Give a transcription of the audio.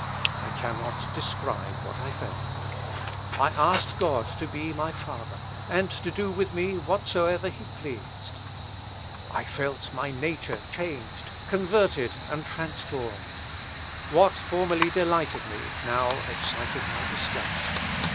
I cannot describe what I felt. I asked God to be my Father, and to do with me whatsoever he pleased. I felt my nature changed, converted, and transformed. What formerly delighted me now excited my disgust.